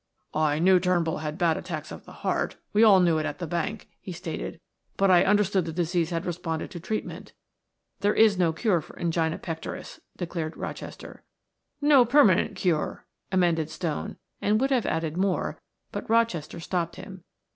"I knew Turnbull had bad attacks of the heart; we all knew it at the bank," he stated. "But I understood the disease had responded to treatment." "There is no cure for angina pectoris," declared Rochester. "No permanent cure," amended Stone, and would have added more, but Rochester stopped him.